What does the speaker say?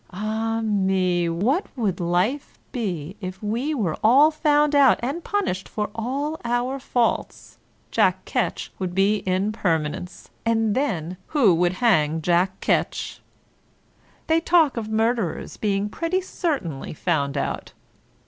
Ah me, what would life be if we were all found out and punished for all our faults? Jack Ketch would be in permanence; and then who would hang Jack Ketch ? They talk of murderers being pretty certainly found out.